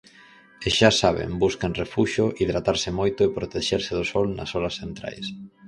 E xa saben, busquen refuxio, hidratarse moito e protexerse do sol nas horas centrais.